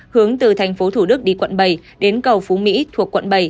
hướng từ tp thủ đức đi quận bảy đến cầu phú mỹ thuộc quận bảy